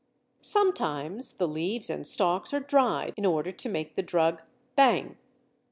Sometimes the leaves and stalks are dried in order to make the drug "bhang."